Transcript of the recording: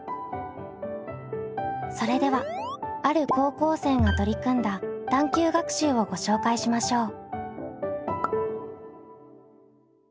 それではある高校生が取り組んだ探究学習をご紹介しましょう。